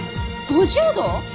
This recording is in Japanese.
５０度！？